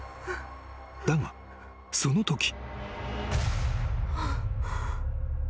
［だがそのとき］